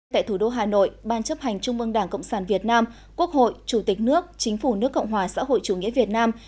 tại thủ đô hà nội ban chấp hành trung mương đảng cộng sản việt nam quốc hội chủ tịch nước chính phủ nước cộng hòa xã hội chủ nghĩa việt nam